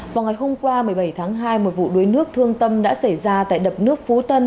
vào ngày hôm qua một mươi bảy tháng hai một vụ đuối nước thương tâm đã xảy ra tại đập nước phú tân